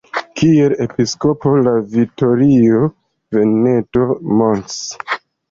Kiel Episkopo de Vittorio Veneto, Mons.